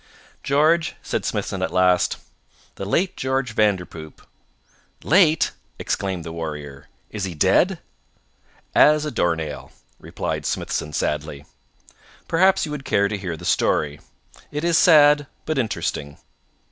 "George," said Smithson at last, "the late George Vanderpoop " "Late!" exclaimed the warrior; "is he dead?" "As a doornail," replied Smithson sadly. "Perhaps you would care to hear the story. It is sad, but interesting.